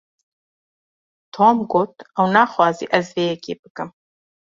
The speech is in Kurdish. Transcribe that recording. Tom got ew naxwaze ez vê yekê bikim.